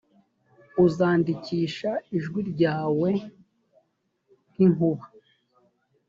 uzahindisha ijwi ryawe nk inkuba